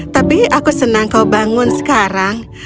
tapi aku senang kau bangun sekarang